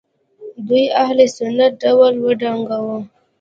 دوی اهل سنت ډول وډنګاوه